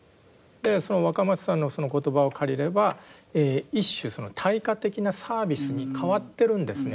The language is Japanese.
その若松さんのその言葉を借りれば一種その対価的なサービスに変わってるんですね